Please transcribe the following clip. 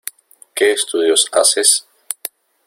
¿Qué estudios haces?